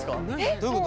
どういうこと？